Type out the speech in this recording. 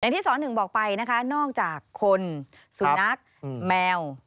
อย่างที่สต๑บอกไปนะคะว่านอกจากคนสุนัขแมว